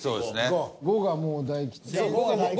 ５がもう大吉先生。